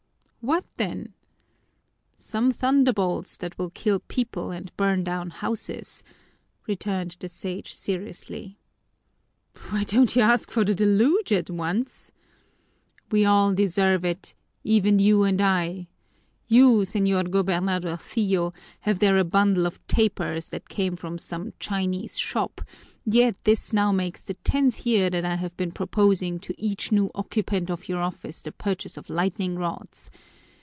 "What, then?" "Some thunderbolts that will kill people and burn down houses," returned the Sage seriously. "Why don't you ask for the deluge at once?" "We all deserve it, even you and I! You, señor gobernadorcillo, have there a bundle of tapers that came from some Chinese shop, yet this now makes the tenth year that I have been proposing to each new occupant of your office the purchase of lightning rods.